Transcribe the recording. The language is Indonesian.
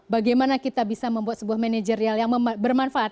bagaimana kita bisa membuat sebuah manajerial yang bermanfaat